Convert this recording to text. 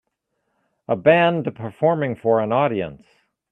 A band performing for an audience.